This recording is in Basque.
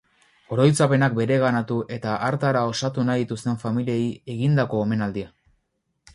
Oroitzapenak bereganatu eta hartara osatu nahi dituzten familiei egindako omenaldia.